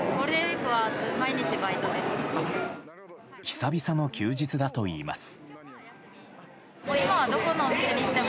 久々の休日だといいます。